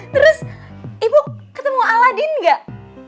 terus ibu ketemu aladin gak